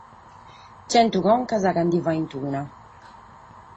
Chentu concas chi nde faghent una.